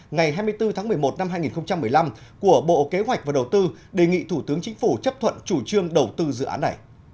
ngày hai mươi bốn tháng một mươi một năm hai nghìn một mươi năm của bộ kế hoạch và đầu tư đề nghị thủ tướng chính phủ chấp thuận chủ trương đầu tư dự án này